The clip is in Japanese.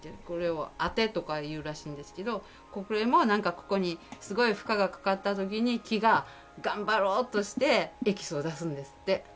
これを「あて」とかいうらしいんですけどこれもここにすごく負荷がかかったときに木が頑張ろうとしてエキスを出すんですって。